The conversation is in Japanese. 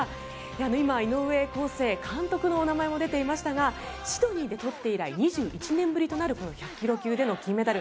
今、井上康生監督のお名前も出ていましたがシドニーで取って以来２１年ぶりとなるこの１００ｋｇ級での金メダル。